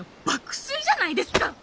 爆睡じゃないですか！